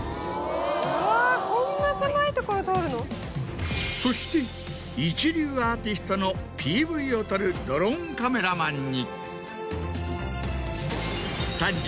うわこんな狭い所通るの⁉そして一流アーティストのＰＶを撮るドローンカメラマンに。